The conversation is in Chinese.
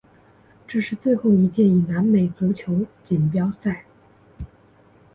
这是最后一届以南美足球锦标赛。